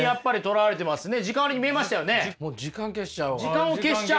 時間を消しちゃう。